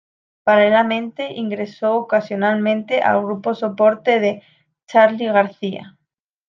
Paralelamente, ingresó ocasionalmente al grupo soporte de Charly García.